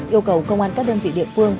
yêu cầu công an các đơn vị địa phương